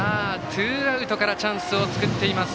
ツーアウトからチャンスを作っています